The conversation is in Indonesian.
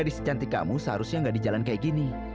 gadis cantik kamu seharusnya ga di jalan kayak gini